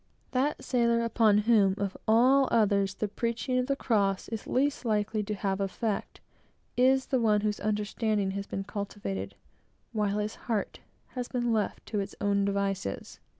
That sailor upon whom, of all others, the preaching of the Cross is least likely to have effect, is the one whose understanding has been cultivated, while his heart has been left to its own devices.